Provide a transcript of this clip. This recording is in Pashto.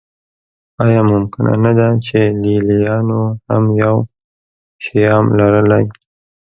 آیا ممکنه نه وه چې لېلیانو هم یو شیام لرلی